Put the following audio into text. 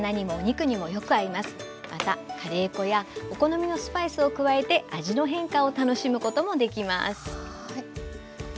またカレー粉やお好みのスパイスを加えて味の変化を楽しむこともできます。